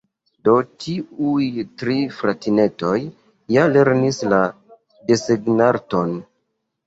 "Do, tiuj tri fratinetoj ja lernis la desegnarton".